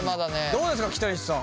どうですか北西さん？